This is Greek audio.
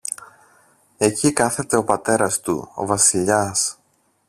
Εκεί κάθεται ο πατέρας του, ο Βασιλιάς.